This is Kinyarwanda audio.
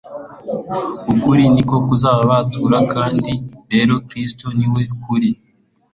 «Ukuri ni ko kuzababatura» kandi rero Kristo ni we kuri.